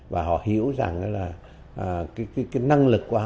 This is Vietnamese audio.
và họ hiểu rằng là cái năng lực của họ